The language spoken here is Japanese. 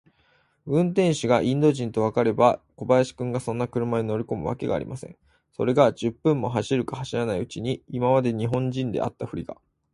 運転手がインド人とわかれば、小林君がそんな車に乗りこむわけがありません。それが、十分も走るか走らないうちに、今まで日本人であったふたりが、